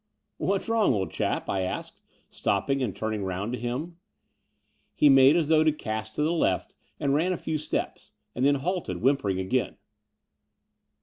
"What's wrong, old chap?" I asked, stopping and turning round to him. He made as though to cast to the left and ran a few steps, and then halted, whimpering again.